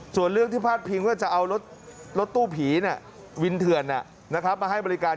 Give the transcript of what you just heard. ส่วนเรื่องที่พาดพิงว่าจะเอารถตู้ผีวินเถื่อนมาให้บริการ